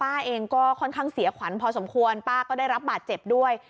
ป้าเองก็ค่อนข้างเสียขวัญพอสมควรป้าก็ได้รับบาดเจ็บด้วย